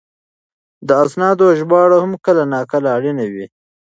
د اسنادو ژباړه هم کله ناکله اړینه وي.